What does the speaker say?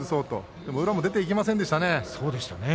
でも宇良も出ていきませんでしたね。